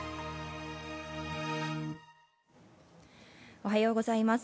おはようございます。